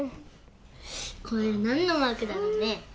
これなんのマークだろうね？